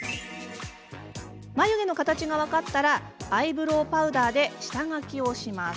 眉の形が分かったらアイブロウパウダーで下書きをします。